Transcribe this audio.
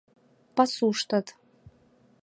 пасуштат